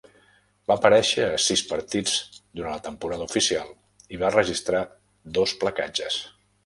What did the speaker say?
Va aparèixer a sis partits durant la temporada oficial i va registrar dos placatges.